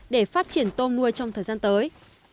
để phát triển tôm nuôi trong thời gian tới